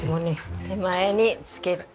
手前に付けて。